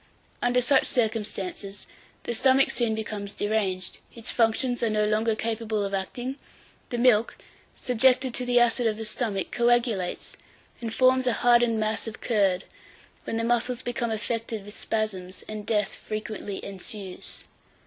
Under such circumstances, the stomach soon becomes deranged; its functions are no longer capable of acting; the milk, subjected to the acid of the stomach, coagulates, and forms a hardened mass of curd, when the muscles become affected with spasms, and death frequently ensues.